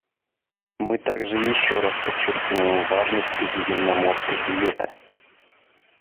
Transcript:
Мы также еще раз подчеркиваем важность средиземноморской диеты.